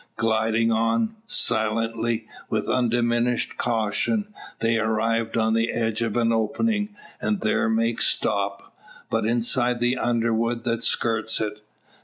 Gliding on, silently, with undiminished caution, they arrive on the edge of an opening, and there make stop, but inside the underwood that skirts it.